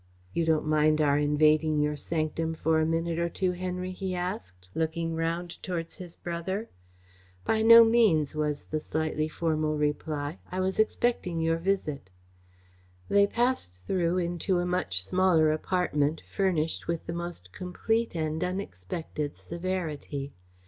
"You don't mind our invading your sanctum for a minute or two, Henry?" he asked, looking round towards his brother. "By no means," was the slightly formal reply. "I was expecting your visit." They passed through into a much smaller apartment, furnished with the most complete and unexpected severity.